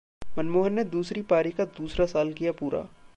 मनमोहन ने दूसरी पारी का दूसरा साल किया पूरा